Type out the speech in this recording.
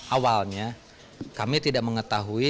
awalnya kami tidak mengetahui